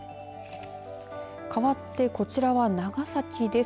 かわって、こちらは長崎です。